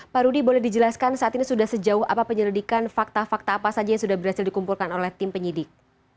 pak rudi boleh dijelaskan saat ini sudah sejauh apa penyelidikan fakta fakta apa saja yang sudah berhasil dikumpulkan oleh tim penyidik